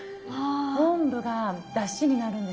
昆布がだしになるんですよ。